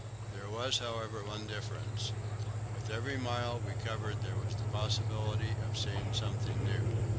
There was, however, one difference: with every mile we covered there was the possibility of seeing something new.